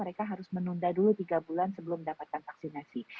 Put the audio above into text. mereka harus menunda dulu tiga bulan sebelum mendapatkan vaksinasi